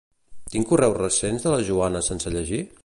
Tinc correus recents de la Joana sense llegir?